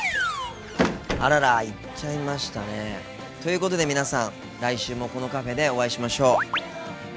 あらら行っちゃいましたね。ということで皆さん来週もこのカフェでお会いしましょう。